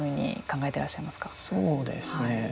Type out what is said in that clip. そうですね。